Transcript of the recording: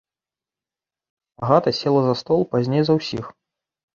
Агата села за стол пазней за ўсіх.